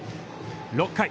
６回。